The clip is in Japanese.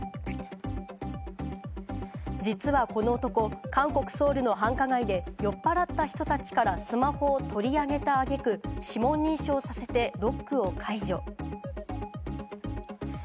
実はこの男、韓国・ソウルの繁華街で酔っ払った人たちからスマホを取り上げたあげく、指紋認証をさせてロックを解除。